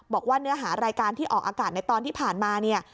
บอกว่าเนื้อหารายการที่ออกอากาศในตอนที่ผ่านมาเนี่ย